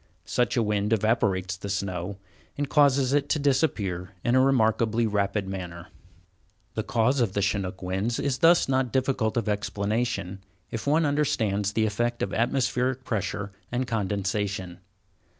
Such a wind evaporates the snow, and causes it to disappear in a remarkably rapid manner. The cause of Chinook winds is thus not difficult of explanation, if one understands the effects of atmospheric pressure and condensation.